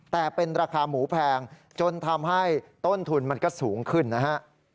แต่เป็นราคาหมูแพงจนทำให้ต้นทุนมันก็สูงขึ้นนะฮะ